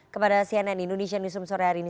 kepada cnn indonesia newsroom sore hari ini